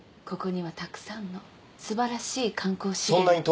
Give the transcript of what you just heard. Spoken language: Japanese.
ここにはたくさんの素晴らしい観光資源が。